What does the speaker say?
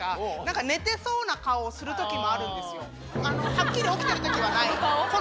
はっきり起きてる時はない。